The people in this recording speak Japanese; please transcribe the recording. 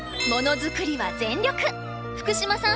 福島さん